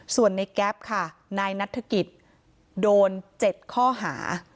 ส่วนในแก๊ปค่ะนายนัฐกิจโดน๗ข้อหา